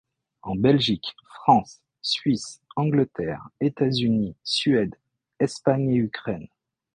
En Belgique, France, Suisse, Angleterre, États-Unis, Suède, Espagne et Ukraine.